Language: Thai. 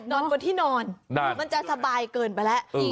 บนที่นอนมันจะสบายเกินไปแล้ว